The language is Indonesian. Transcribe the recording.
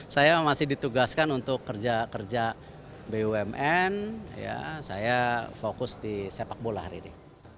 saya masih ditugaskan untuk kerja kerja bumn saya fokus di sepak bola hari ini